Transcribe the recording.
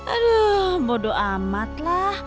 aduh bodo amat lah